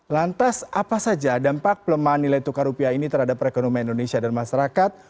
lantas apa saja dampak pelemahan nilai tukar rupiah ini terhadap perekonomian indonesia dan masyarakat